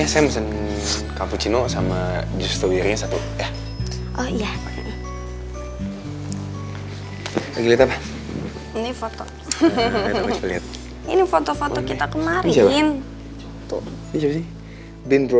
sampai jumpa di video selanjutnya